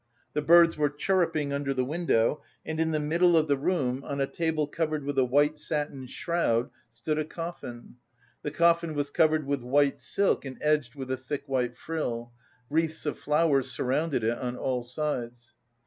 The birds were chirruping under the window, and in the middle of the room, on a table covered with a white satin shroud, stood a coffin. The coffin was covered with white silk and edged with a thick white frill; wreaths of flowers surrounded it on all sides.